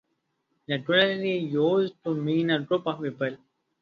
Regularly used to mean a group of people.